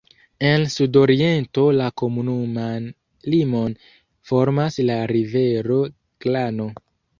En sudoriento la komunuman limon formas la rivero Glano.